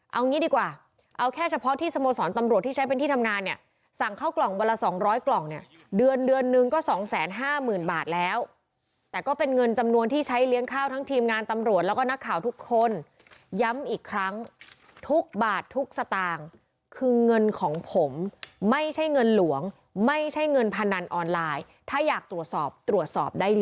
เอางี้ดีกว่าเอาแค่เฉพาะที่สโมสรตำรวจที่ใช้เป็นที่ทำงานเนี่ยสั่งเข้ากล่องวันละสองร้อยกล่องเนี่ยเดือนเดือนนึงก็๒๕๐๐๐บาทแล้วแต่ก็เป็นเงินจำนวนที่ใช้เลี้ยงข้าวทั้งทีมงานตำรวจแล้วก็นักข่าวทุกคนย้ำอีกครั้งทุกบาททุกสตางค์คือเงินของผมไม่ใช่เงินหลวงไม่ใช่เงินพนันออนไลน์ถ้าอยากตรวจสอบตรวจสอบได้ล